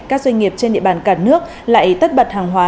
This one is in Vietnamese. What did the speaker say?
các doanh nghiệp trên địa bàn cả nước lại tất bật hàng hóa